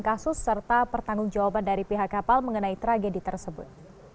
kasus serta pertanggung jawaban dari pihak kapal mengenai tragedi tersebut